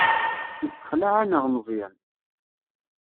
Yessexleɛ-aneɣ Meẓyan.